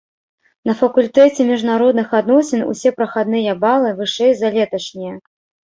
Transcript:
На факультэце міжнародных адносін усе прахадныя балы вышэй за леташнія.